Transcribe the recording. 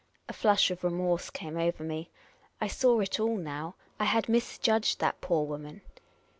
A flush of remorse came over me. I saw it all now. I had misjudged that poor woman